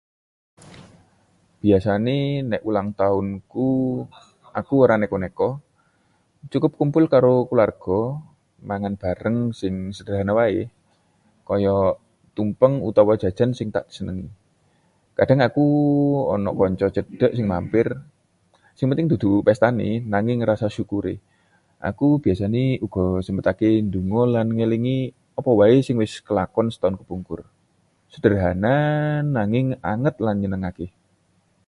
Biasane nek ulang tahunku, aku ora neko-neko. Cukup kumpul karo kulawarga, mangan bareng sing sederhana wae, kaya tumpeng utawa jajan sing tak senengi. Kadhang uga ana kanca cedhak sing mampir. Sing penting dudu pestane, nanging rasa syukure. Aku biasane uga sempatke ndonga lan ngelingi apa wae sing wis kelakon setaun kepungkur. Sederhana, nanging anget lan nyenengake.